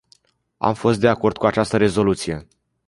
Am fost de acord cu această rezoluție.